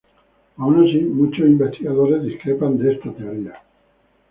Aun así, muchos investigadores discrepan de esta teoría.